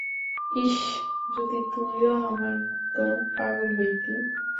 ইশশশ, যদি তুইও আমার মতো পাগল হইতি!